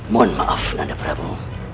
mohon maaf nanda prabu